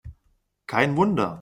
Kein Wunder!